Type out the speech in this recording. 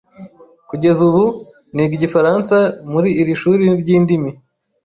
Kugeza ubu, niga igifaransa muri iri shuri ryindimi.